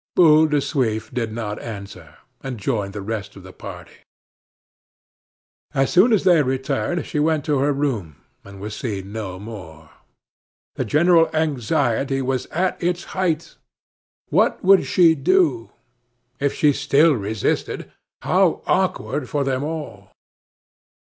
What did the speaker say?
Boule de Suif did not answer, and joined the rest of the party. As soon as they returned she went to her room, and was seen no more. The general anxiety was at its height. What would she do? If she still resisted, how awkward for them all!